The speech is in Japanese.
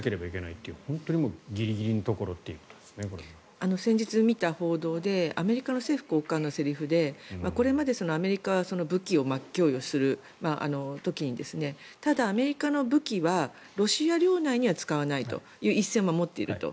併合宣言の翌日に撤退しなければいけないという先日に見た報道でアメリカの政府高官のセリフでこれまでアメリカは武器を供与する時にただ、アメリカの武器はロシア領内には使わないという一線を守っていると。